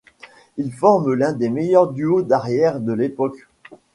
Ils forment l'un des meilleurs duos d'arrières de l'époque.